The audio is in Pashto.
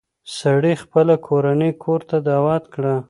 سړي خپله کورنۍ کور ته دعوت کړه.